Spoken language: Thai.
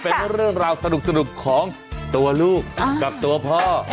เป็นเรื่องราวสนุกของตัวลูกกับตัวพ่อ